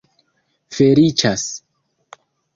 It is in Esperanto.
feliĉas